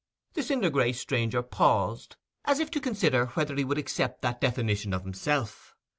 The cinder gray stranger paused, as if to consider whether he would accept that definition of himself.